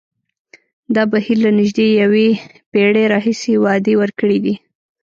دا بهیر له نژدې یوه پېړۍ راهیسې وعدې ورکړې دي.